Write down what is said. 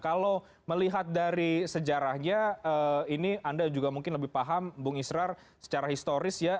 kalau melihat dari sejarahnya ini anda juga mungkin lebih paham bung israr secara historis ya